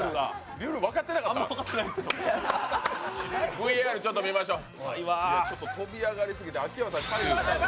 ＶＡＲ、ちょっと見ましょう。